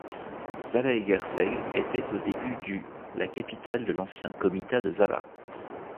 Zalaegerszeg était au début du la capitale de l'ancien comitat de Zala.